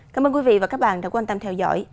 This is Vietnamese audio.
cảm ơn quý vị và các bạn đã quan tâm theo dõi